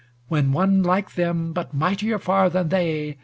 When one, like them, but mightier far than they.